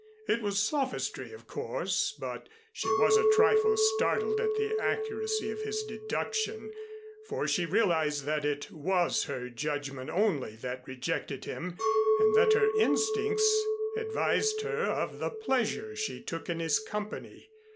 It was sophistry, of course, but she was a trifle startled at the accuracy of his deduction, for she realized that it was her judgment only that rejected him and that her instincts advised her of the pleasure she took in his company.